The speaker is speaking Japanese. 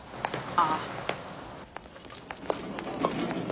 あ。